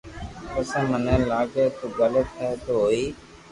پسي مني لاگي تو غلط ھي تو ھوئي